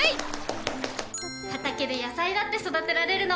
畑で野菜だって育てられるの。